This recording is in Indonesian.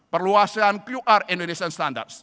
perluasan qr indonesian standards